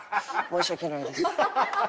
申し訳ないです。